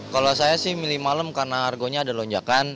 kalau saya sih milih malam karena harganya ada lonjakan